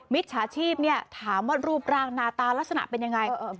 มิตรชาชีพถามว่ารูปร่างหน้าตาลักษณะเป็นอย่างไร